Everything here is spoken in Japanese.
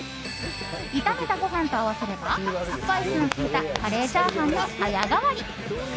炒めたご飯と合わせればスパイスの効いたカレーチャーハンに早変わり。